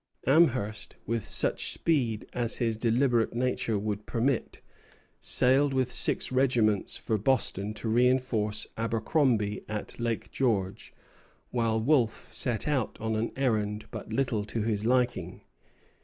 Amherst, with such speed as his deliberate nature would permit, sailed with six regiments for Boston to reinforce Abercromby at Lake George, while Wolfe set out on an errand but little to his liking.